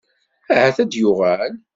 Ahat ad d-yuɣal?